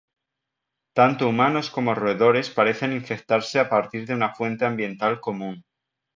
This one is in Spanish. Tanto humanos como roedores parecen infectarse a partir de una fuente ambiental común.